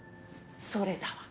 それだわ。